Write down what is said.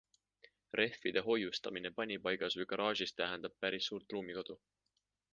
Rehvide hoiustamine panipaigas või garaažis tähendab päris suurt ruumikadu.